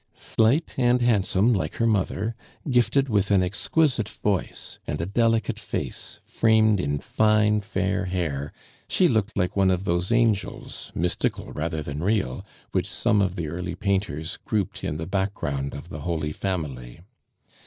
Slight and handsome like her mother, gifted with an exquisite voice, and a delicate face framed in fine fair hair, she looked like one of those angels, mystical rather than real, which some of the early painters grouped in the background of the Holy Family.